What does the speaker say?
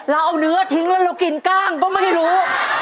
เอาเนื้อทิ้งแล้วเรากินกล้างก็ไม่รู้